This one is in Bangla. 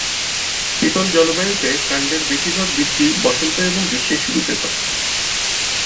শীতল জলবায়ুতে কাণ্ডের বেশিরভাগ বৃদ্ধি বসন্ত এবং গ্রীষ্মের শুরুতে ঘটে।